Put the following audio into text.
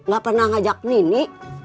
ga pernah ngajak nini